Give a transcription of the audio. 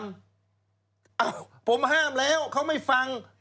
อ้าวผมห้ามแล้วเขาไม่ฟัง